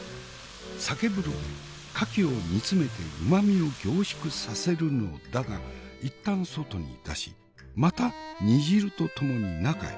酒風呂で牡蠣を煮詰めて旨みを凝縮させるのだが一旦外に出しまた煮汁と共に中へ。